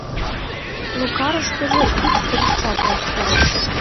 Логарышкыже ик пырчат ок пуро!